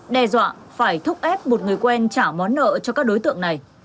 đe dọa phải thúc ép một người quen trả món nợ cho các đối tượng này